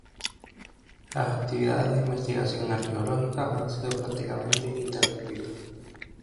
Las actividades de investigación arqueológica han sido prácticamente ininterrumpidas.